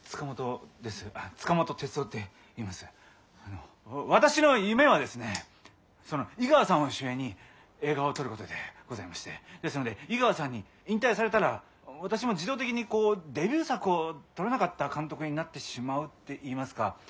あの私の夢はですね井川さんを主演に映画を撮ることでございましてですので井川さんに引退されたら私も自動的にデビュー作を撮れなかった監督になってしまうっていいますか。